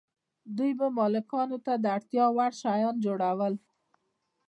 دوی به مالکانو ته د اړتیا وړ شیان جوړول.